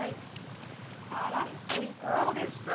ラスト１刀です。